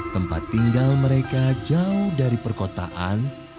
tempat tinggal mereka jauh dari perkotaan